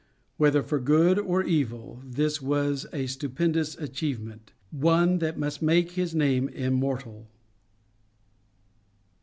Whether for good or evil this was a stupendous achievement and one that must make his name immortal.